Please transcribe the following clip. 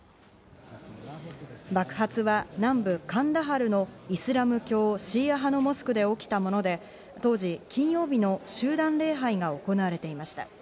爆発は南部カンダハルのイスラム教シーア派のモスクで起きたもので、当時、金曜日の集団礼拝が行われていました。